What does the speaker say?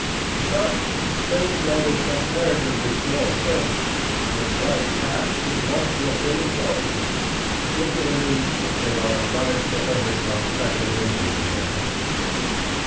To such the State renders comparatively small service, and a slight tax is wont to appear exorbitant, particularly if they are obliged to earn it by special labor with their hands.